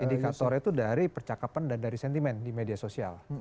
indikatornya itu dari percakapan dan dari sentimen di media sosial